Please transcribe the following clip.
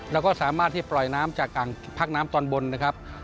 แล้วก็สามารถที่ปล่อยน้ำจากภาคน้ำตอนบนนะครับ